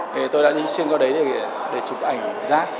thì tôi đã đi xuyên qua đấy để chụp ảnh giác